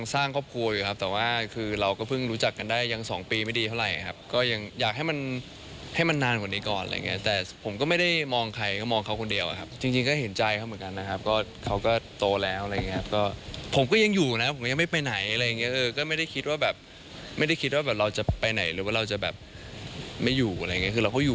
สร้างครอบครัวอยู่ครับแต่ว่าคือเราก็เพิ่งรู้จักกันได้ยังสองปีไม่ดีเท่าไหร่ครับก็ยังอยากให้มันให้มันนานกว่านี้ก่อนอะไรอย่างเงี้ยแต่ผมก็ไม่ได้มองใครก็มองเขาคนเดียวครับจริงจริงก็เห็นใจเขาเหมือนกันนะครับก็เขาก็โตแล้วอะไรอย่างเงี้ยก็ผมก็ยังอยู่นะผมยังไม่ไปไหนอะไรอย่างเงี้เออก็ไม่ได้คิดว่าแบบไม่ได้คิดว่าแบบเราจะไปไหนหรือว่าเราจะแบบไม่อยู่อะไรอย่างเงี้คือเราก็อยู่